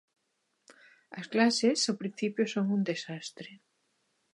As clases ao principio son un desastre.